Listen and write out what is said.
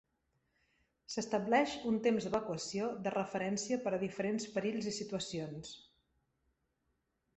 S'estableix un "temps d'evacuació" de referència per a diferents perills i situacions.